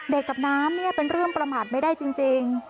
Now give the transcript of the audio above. กับน้ำเนี่ยเป็นเรื่องประมาทไม่ได้จริง